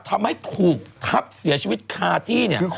ทำให้ถูกทับเสียชีวิตคาที่เนี่ย